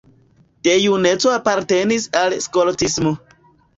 De juneco apartenis al skoltismo.